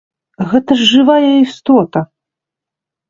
Гэта ж жывая істота!